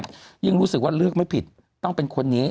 ยิ่งรู้สึกว่าเลือกไม่ผิดต้องเป็นคนนี้